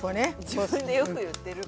自分でよく言ってる。